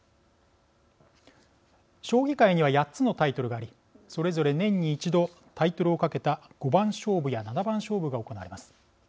将棋界には８つのタイトルがありそれぞれ年に一度タイトルを懸けた五番勝負や七番勝負が行われます。